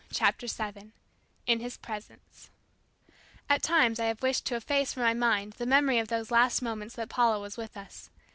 CHAPTER SEVEN IN HIS PRESENCE At times I have wished to efface from my mind the memory of those last moments that Paula was with us.